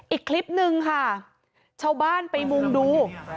อีกคลิปนึงค่ะชาวบ้านไปมุ่งดู